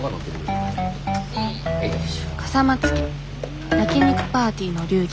笠松家焼き肉パーティーの流儀